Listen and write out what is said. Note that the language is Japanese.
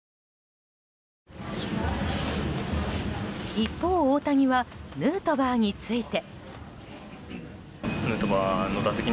一方、大谷はヌートバーについて。